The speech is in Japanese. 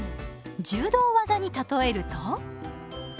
柔道技に例えると？